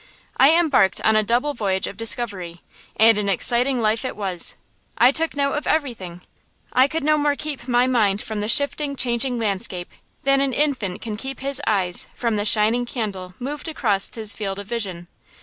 I embarked on a double voyage of discovery, and an exciting life it was! I took note of everything. I could no more keep my mind from the shifting, changing landscape than an infant can keep his eyes from the shining candle moved across his field of vision.